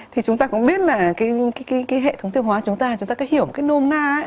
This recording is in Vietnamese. thì chúng ta cũng biết là cái hệ thống tiêu hóa chúng ta chúng ta có hiểu cái nôm na ấy